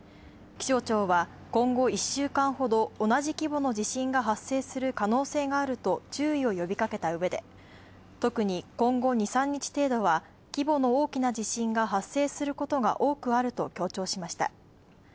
気象庁は今後１週間ほど同じ規模の地震が発生する可能性があると注意を呼びかけたうえで特に今後２、３日程度は規模の大きな地震が発生することが多くあると協調しました。